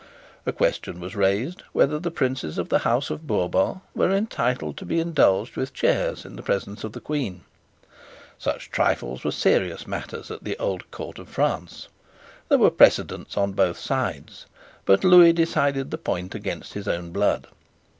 A question was raised whether the Princes of the House of Bourbon were entitled to be indulged with chairs in the presence of the Queen. Such trifles were serious matters at the old court of France. There were precedents on both sides: but Lewis decided the point against his own blood.